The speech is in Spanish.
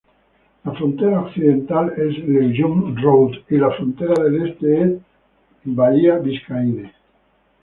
La frontera occidental es LeJeune Road y la frontera del este es Bahía Biscayne.